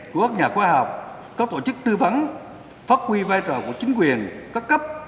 thuốc nhà khoa học các tổ chức tư vấn phát huy vai trò của chính quyền các cấp